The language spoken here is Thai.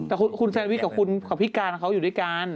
แต่คุณแซนวิทย์กับพี่กัลเขาอยู่ด้วยกัน